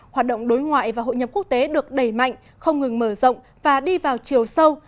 hoạt động đối ngoại và hội nhập quốc tế được đẩy mạnh không ngừng mở rộng và đi vào chiều sâu